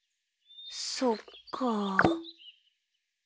そっかあ。